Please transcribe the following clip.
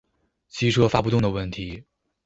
机车发不动的问题